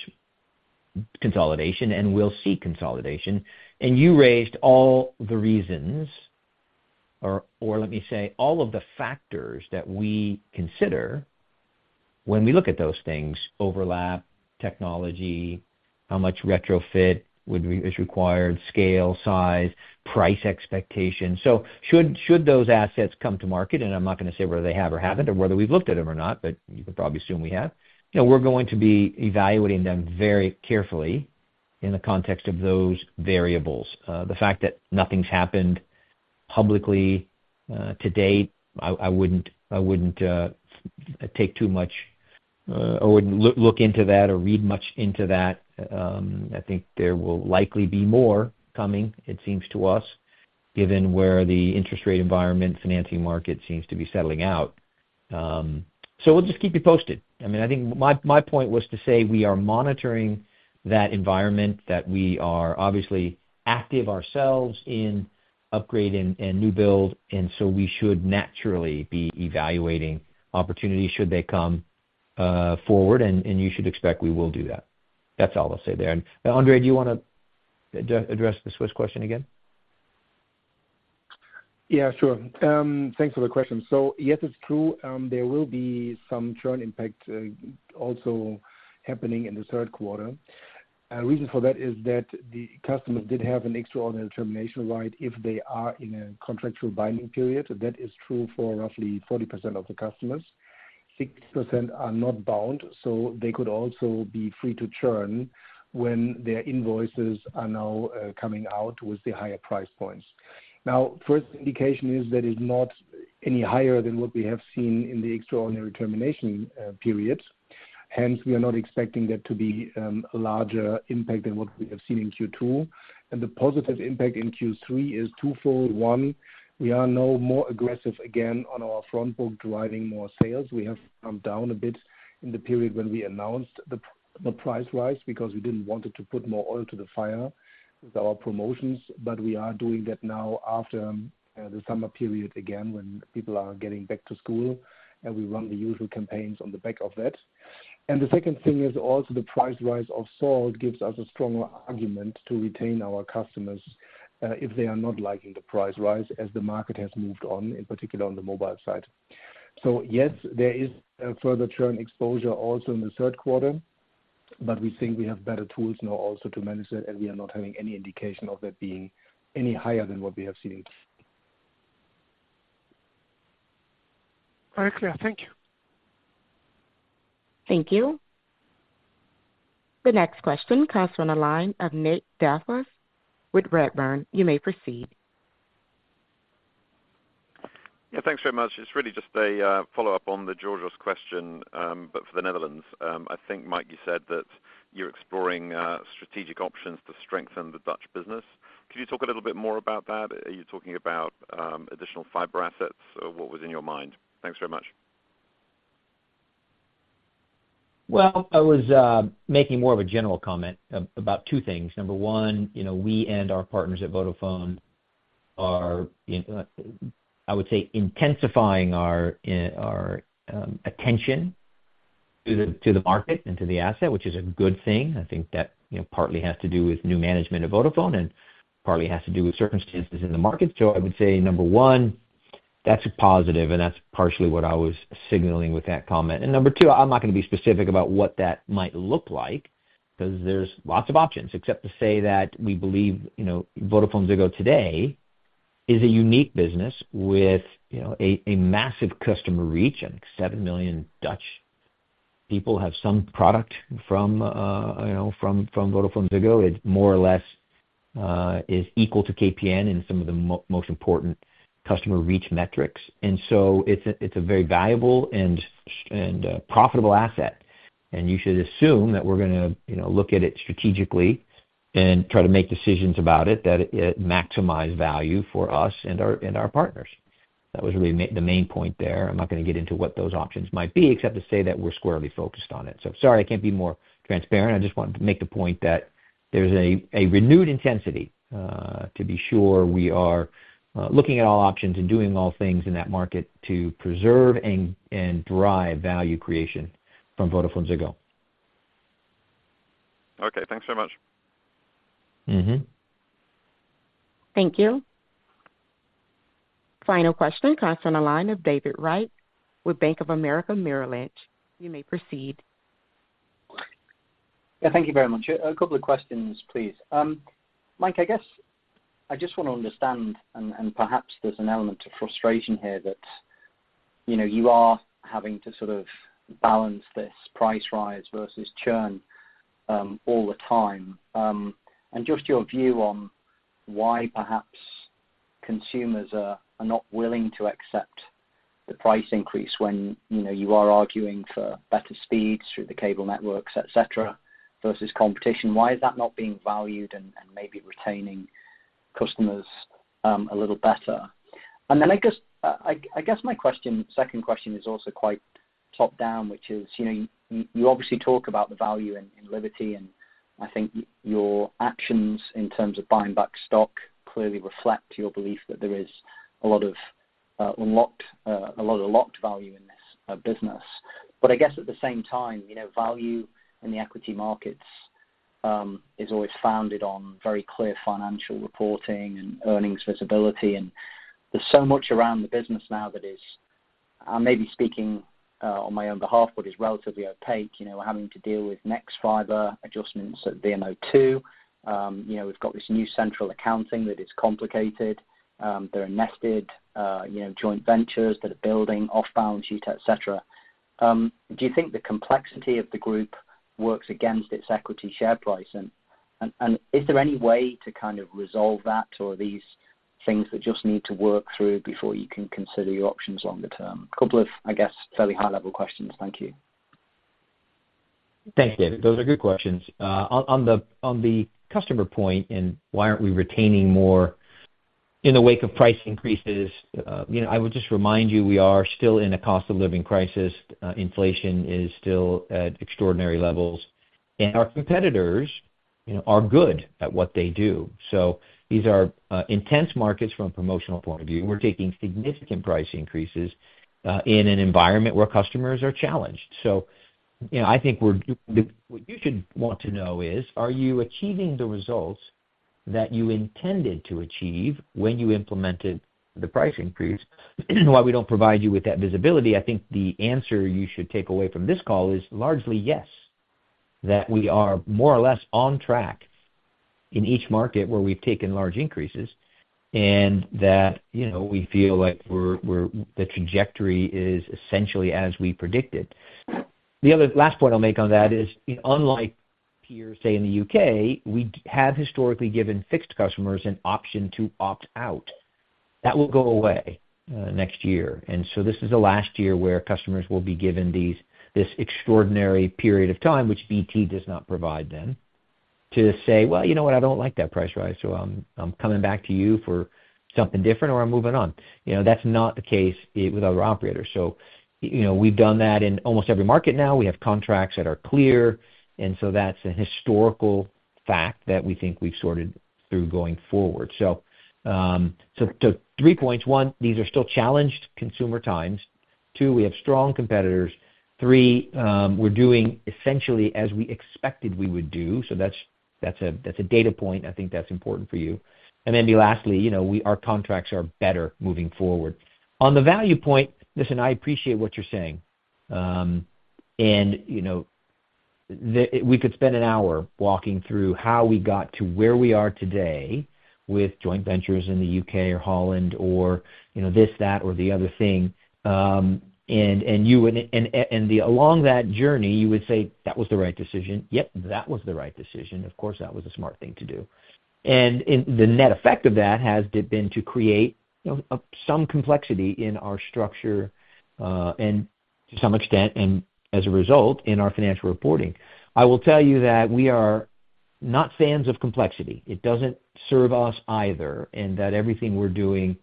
consolidation, and we'll seek consolidation. You raised all the reasons or let me say, all of the factors that we consider when we look at those things: overlap, technology, how much retrofit is required, scale, size, price expectations. Should those assets come to market, and I'm not gonna say whether they have or haven't or whether we've looked at them or not, but you can probably assume we have. You know, we're going to be evaluating them very carefully in the context of those variables. The fact that nothing's happened publicly to date, I wouldn't, I wouldn't take too much, I wouldn't look into that or read much into that. I think there will likely be more coming, it seems to us, given where the interest rate environment financing market seems to be settling out. We'll just keep you posted. I mean, I think my point was to say we are monitoring that environment, that we are obviously active ourselves in upgrade and new build, we should naturally be evaluating opportunities should they come forward, and you should expect we will do that. That's all I'll say there. André, do you wanna address the Swiss question again?
Yeah, sure. Thanks for the question. Yes, it's true, there will be some churn impact also happening in the third quarter. Reason for that is that the customers did have an extraordinary termination right if they are in a contractual binding period. That is true for roughly 40% of the customers. 60% are not bound, so they could also be free to churn when their invoices are now coming out with the higher price points. First indication is that it's not any higher than what we have seen in the extraordinary termination period. Hence, we are not expecting that to be a larger impact than what we have seen in Q2. The positive impact in Q3 is twofold. One, we are now more aggressive again on our front book, driving more sales. We have come down a bit in the period when we announced the price rise because we didn't want to put more oil to the fire with our promotions, but we are doing that now after the summer period again, when people are getting back to school, and we run the usual campaigns on the back of that. The second thing is also the price rise of Salt gives us a stronger argument to retain our customers if they are not liking the price rise, as the market has moved on, in particular on the mobile side. Yes, there is a further churn exposure also in the third quarter, but we think we have better tools now also to manage it, and we are not having any indication of that being any higher than what we have seen.
Very clear. Thank you.
Thank you. The next question comes from the line of Nick Delfas with Redburn. You may proceed.
Thanks very much. It's really just a follow-up on the Georgios question for the Netherlands. I think, Mike, you said that you're exploring strategic options to strengthen the Dutch business. Could you talk a little bit more about that? Are you talking about additional fiber assets, or what was in your mind? Thanks very much.
Well, I was making more of a general comment about two things. Number one, you know, we and our partners at Vodafone are, I would say, intensifying our attention to the market and to the asset, which is a good thing. I think that, you know, partly has to do with new management of Vodafone and partly has to do with circumstances in the market. I would say, number one, that's a positive, and that's partially what I was signaling with that comment. Number two, I'm not gonna be specific about what that might look like, 'cause there's lots of options, except to say that we believe, you know, VodafoneZiggo today is a unique business with, you know, a massive customer reach. I think 7 million Dutch people have some product from, you know, from VodafoneZiggo. It more or less is equal to KPN in some of the most important customer reach metrics. It's a, it's a very valuable and profitable asset, and you should assume that we're gonna, you know, look at it strategically and try to make decisions about it that maximize value for us and our, and our partners. That was really the main point there. I'm not gonna get into what those options might be, except to say that we're squarely focused on it. Sorry, I can't be more transparent. I just wanted to make the point that there's a renewed intensity to be sure we are looking at all options and doing all things in that market to preserve and drive value creation from VodafoneZiggo.
Okay, thanks so much.
Mm-hmm.
Thank you. Final question comes from the line of David Wright with Bank of America Merrill Lynch. You may proceed.
Yeah, thank you very much. A couple of questions, please. Mike, I guess I just want to understand, and perhaps there's an element of frustration here that, you know, you are having to sort of balance this price rise versus churn all the time. Just your view on why perhaps consumers are not willing to accept the price increase when, you know, you are arguing for better speeds through the cable networks, et cetera, versus competition. Why is that not being valued and maybe retaining customers a little better? I guess, I guess my question, second question is also quite top-down, which is, you know, you obviously talk about the value in Liberty, and I think your actions in terms of buying back stock clearly reflect your belief that there is a lot of unlocked, a lot of locked value in this business. I guess at the same time, you know, value in the equity markets, is always founded on very clear financial reporting and earnings visibility. There's so much around the business now that is, I may be speaking on my own behalf, but is relatively opaque. You know, we're having to deal with nexfibre adjustments at VMO2. You know, we've got this new central accounting that is complicated. There are nested, you know, joint ventures that are building off balance sheet, et cetera. Do you think the complexity of the group works against its equity share price? Is there any way to kind of resolve that, or are these things that just need to work through before you can consider your options longer-term? A couple of, I guess, fairly high-level questions. Thank you.
Thanks, David. Those are good questions. On the customer point, why aren't we retaining more in the wake of price increases? You know, I would just remind you, we are still in a cost of living crisis. Inflation is still at extraordinary levels, and our competitors, you know, are good at what they do. These are, intense markets from a promotional point of view. We're taking significant price increases, in an environment where customers are challenged. You know, I think what you should want to know is, are you achieving the results that you intended to achieve when you implemented the price increase? While we don't provide you with that visibility, I think the answer you should take away from this call is largely yes, that we are more or less on track in each market where we've taken large increases, and that, you know, we feel like we're the trajectory is essentially as we predicted. The other last point I'll make on that is, you know, unlike peers, say, in the U.K., we have historically given fixed customers an option to opt out. That will go away next year, and so this is the last year where customers will be given these, this extraordinary period of time, which BT does not provide them, to say, "Well, you know what? I don't like that price rise, so I'm coming back to you for something different or I'm moving on." You know, that's not the case with other operators. You know, we've done that in almost every market now. We have contracts that are clear, and so that's a historical fact that we think we've sorted through going forward. The three points: one, these are still challenged consumer times. Two, we have strong competitors. Three, we're doing essentially as we expected we would do, so that's a data point. I think that's important for you. Lastly, you know, our contracts are better moving forward. On the value point, listen, I appreciate what you're saying. You know, We could spend an hour walking through how we got to where we are today with joint ventures in the U.K. or The Netherlands or, you know, this, that, or the other thing. You would, and along that journey, you would say, "That was the right decision. Yep, that was the right decision. Of course, that was a smart thing to do." The net effect of that has been to create, you know, some complexity in our structure, and to some extent, and as a result, in our financial reporting. I will tell you that we are not fans of complexity. It doesn't serve us either, and that everything we're doing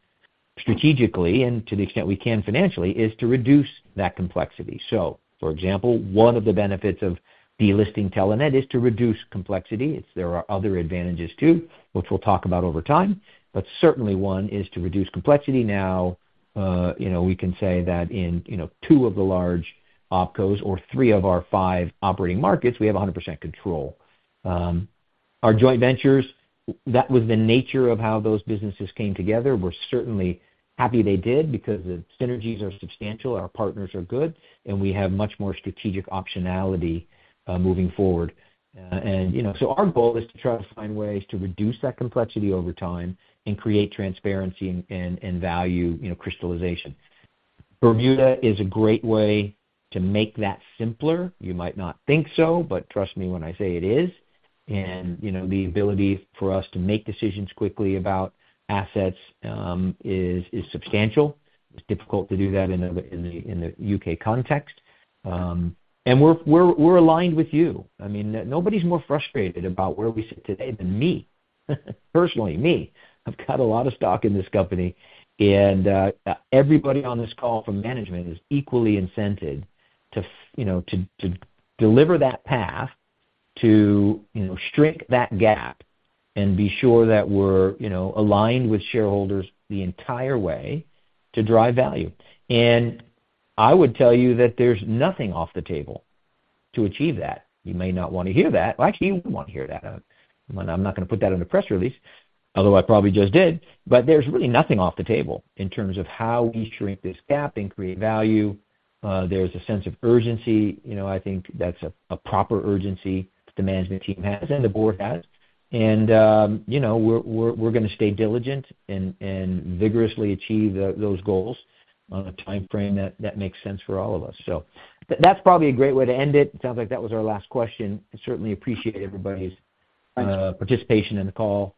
strategically, and to the extent we can financially, is to reduce that complexity. For example, one of the benefits of delisting Telenet is to reduce complexity. There are other advantages, too, which we'll talk about over time, but certainly one is to reduce complexity. You know, we can say that in, you know, two of the large OpCos or three of our five operating markets, we have 100% control. Our joint ventures, that was the nature of how those businesses came together. We're certainly happy they did because the synergies are substantial, our partners are good, and we have much more strategic optionality moving forward. You know, our goal is to try to find ways to reduce that complexity over time and create transparency and value, you know, crystallization. Bermuda is a great way to make that simpler. You might not think so, but trust me when I say it is. You know, the ability for us to make decisions quickly about assets is substantial. It's difficult to do that in the U.K. context. We're aligned with you. I mean, nobody's more frustrated about where we sit today than me, personally, me. I've got a lot of stock in this company. Everybody on this call from management is equally incented to you know, to deliver that path to, you know, shrink that gap and be sure that we're, you know, aligned with shareholders the entire way to drive value. I would tell you that there's nothing off the table to achieve that. You may not want to hear that. Actually, you wouldn't want to hear that. Well, I'm not gonna put that in the press release, although I probably just did, but there's really nothing off the table in terms of how we shrink this gap and create value. There's a sense of urgency. You know, I think that's a proper urgency the management team has and the board has. You know, we're gonna stay diligent and vigorously achieve those goals on a timeframe that makes sense for all of us. That's probably a great way to end it. It sounds like that was our last question. I certainly appreciate everybody's participation in the call,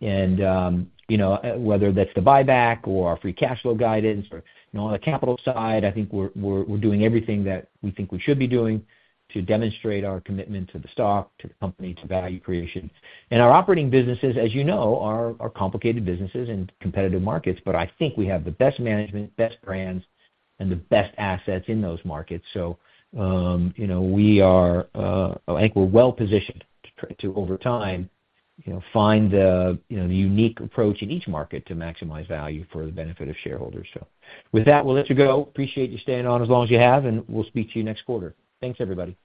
you know, whether that's the buyback or our free cash flow guidance or, you know, on the capital side, I think we're doing everything that we think we should be doing to demonstrate our commitment to the stock, to the company, to value creation. Our operating businesses, as you know, are complicated businesses in competitive markets, but I think we have the best management, best brands, and the best assets in those markets. You know, we are, I think we're well positioned to over time, find the unique approach in each market to maximize value for the benefit of shareholders. With that, we'll let you go. Appreciate you staying on as long as you have, and we'll speak to you next quarter. Thanks, everybody.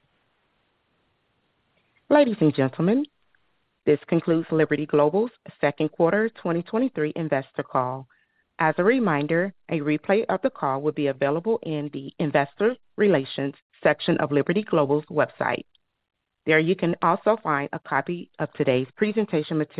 Ladies and gentlemen, this concludes Liberty Global's second quarter 2023 investor call. As a reminder, a replay of the call will be available in the investor relations section of Liberty Global's website. There, you can also find a copy of today's presentation material.f